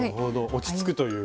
落ち着くという。